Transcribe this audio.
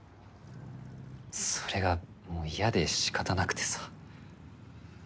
それがもう嫌で仕方なくてさ。